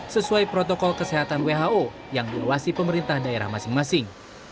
sesuai protokol kesehatan who yang diluasi pemerintah daerah masing masing